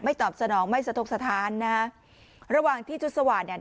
ตอบสนองไม่สะทกสถานนะฮะระหว่างที่ชุดสว่าตเนี่ย